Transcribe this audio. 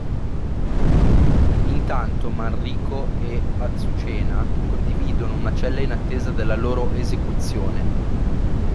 Intanto, Manrico e Azucena condividono una cella in attesa della loro esecuzione.